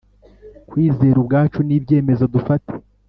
kwizera ubwacu n'ibyemezo dufata.